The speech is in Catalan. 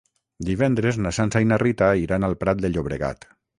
Divendres na Sança i na Rita iran al Prat de Llobregat.